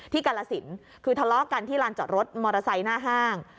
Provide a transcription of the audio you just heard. กาลสินคือทะเลาะกันที่ลานจอดรถมอเตอร์ไซค์หน้าห้าง